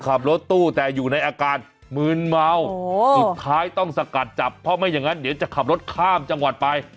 ขับรถตู้แต่อยู่ในอาการมืนเมาสุดท้ายต้องสกัดจับเพราะไม่อย่างนั้นเดี๋ยวจะขับรถข้ามจังหวัดไป